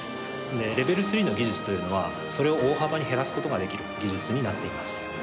でレベル３の技術というのはそれを大幅に減らすことができる技術になっています。